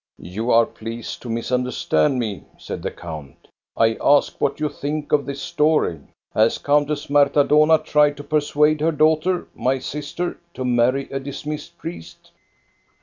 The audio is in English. You are pleased to misunderstand me," said the count. "I ask what you think of this story. Has PENITENCE 271 Countess Marta Dohna tried to persuade her daugh ter, my sister, to marry a dismissed priest?